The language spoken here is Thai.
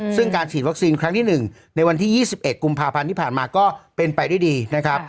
ซึ่งการฉีดวัคซีนครั้งที่๑ในวันที่๒๑กุมภาพันธ์ที่ผ่านมาก็เป็นไปได้ดีนะครับ